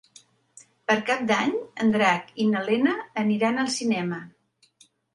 Per Cap d'Any en Drac i na Lena aniran al cinema.